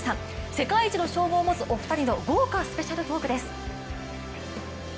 世界一の称号を持つお二人の豪華スペシャルトークです。